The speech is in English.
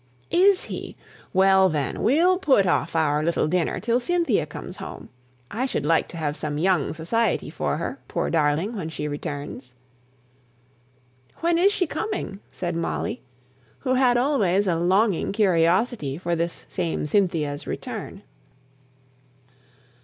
"Is he? Well, then, we'll put off our little dinner till Cynthia comes home. I should like to have some young society for her, poor darling, when she returns." "When is she coming?" said Molly, who had always a longing curiosity for this same Cynthia's return.